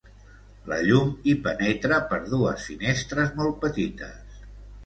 La llum hi penetra per dues finestres molt petites.